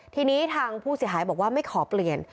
ทีนี้ทางผู้เสียหายบอกว่าไม่ขอเปลี่ยน